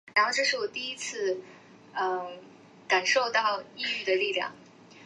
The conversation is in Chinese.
雷希尼茨附近魏登是奥地利布尔根兰州上瓦特县的一个市镇。